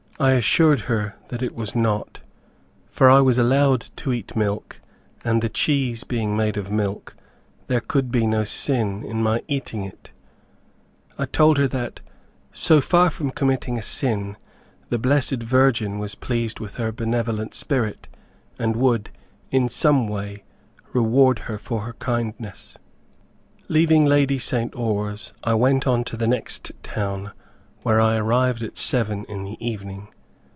I assured her it was not, for I was allowed to eat milk, and the cheese being made of milk, there could be no sin in my eating it I told her that, so far from committing a sin, the blessed Virgin was pleased with her benevolent spirit, and would, in some way, reward her for her kindness. Leaving Lady St. Oars, I went on to the next town where I arrived at seven in the evening.